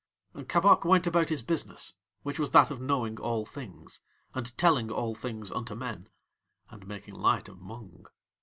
And Kabok went about his business, which was that of knowing All Things, and telling All Things unto men, and making light of Mung.